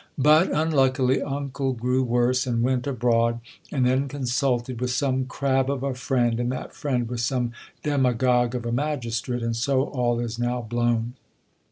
But unluckily, uncle grew worse, and went abroad ; and then consulted with some crab of a friend, and that friend, Avith some demagogue of a magistrate, and so all is now blown.